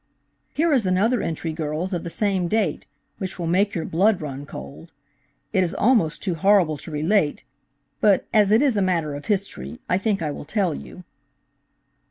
"Here is another entry, girls, of the same date, which will make your blood run cold. It is almost too horrible to relate, but as it is a matter of history, I think I will tell you.